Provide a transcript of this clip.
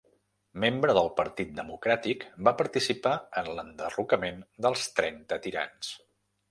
Membre del partit democràtic va participar en l'enderrocament dels Trenta Tirans.